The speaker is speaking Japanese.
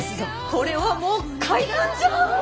これはもう怪談じゃあ！